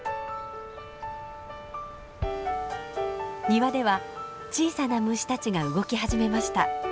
庭では小さな虫たちが動き始めました。